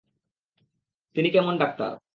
তিনি কেমন ডাক্তার?